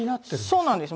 そうなんですよ。